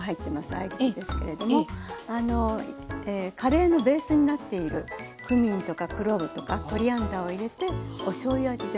合いびきですけれどもカレーのベースになっているクミンとかクロ−ブとかコリアンダーを入れておしょうゆ味で。